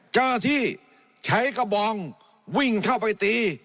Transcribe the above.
เจ้าหน้าที่ใช้กระบองวิ่งเข้าไปตี